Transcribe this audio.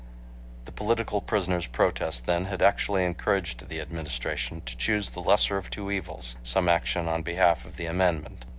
The political prisoners protest, then, had actually encouraged the Administration to choose the lesser of two evils some action on behalf of the amendment.